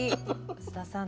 須田さん